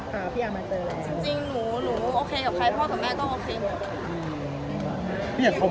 ฟาร์ดมาเจอพ่อคอเหมือนเลยหนึ่ง